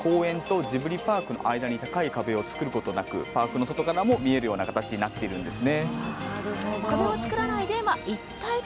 そのため公園とジブリパークの間に高い壁を作ることなくパークの外からも見えるような形になっているんです。